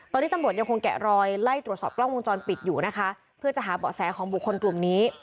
ตอนนี้ตำรวจยังคงแกะรอยไล่ตรวจสอบกล้องวงจรปิดอยู่นะคะเพื่อจะหาเบาะแสของบุคคลกลุ่มนี้